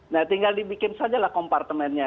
nah tinggal dibikin sajalah kompartemennya